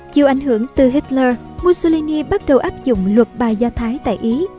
chiều ảnh hưởng từ hitler mussolini bắt đầu áp dụng luật bài do thái tại ý